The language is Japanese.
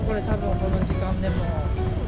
この時間でも。